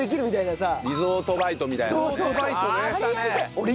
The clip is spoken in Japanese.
みたいなね。